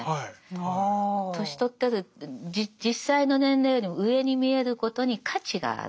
年取ってる実際の年齢よりも上に見えることに価値がある。